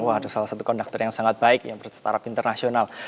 wah ada salah satu konduktor yang sangat baik yang berstaraf internasional